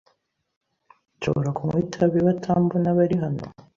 Nshobora kunywa itabi batambona bari hano?